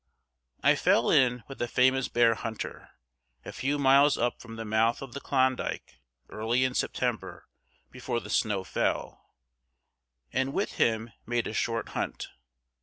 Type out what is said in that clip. I fell in with a famous bear hunter, a few miles up from the mouth of the Klondike early in September, before the snow fell, and with him made a short hunt.